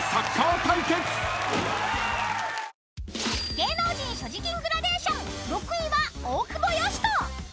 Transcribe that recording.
［芸能人所持金グラデーション６位は大久保嘉人］